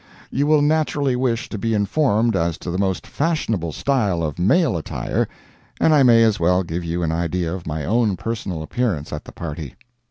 You will naturally wish to be informed as to the most fashionable style of male attire, and I may as well give you an idea of my own personal appearance at the party.